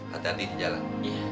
hati hati di jalan